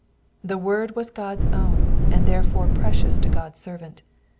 The word was God's own, and therefore precious to God's servant.